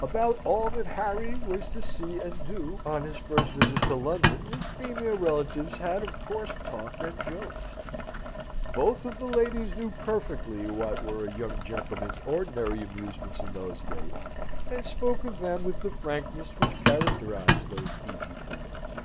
About all that Harry was to see and do on his first visit to London, his female relatives had of course talked and joked. Both of the ladies knew perfectly what were a young gentleman's ordinary amusements in those days, and spoke of them with the frankness which characterised those easy times.